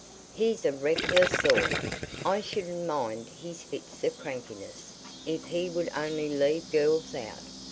He's a reckless sort. I shouldn't mind his fits of crankiness, if he would only leave girls out.